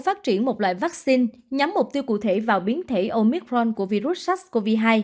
phát triển một loại vaccine nhắm mục tiêu cụ thể vào biến thể omicron của virus sars cov hai